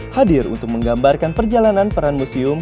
hadir untuk menggambarkan perjalanan peran museum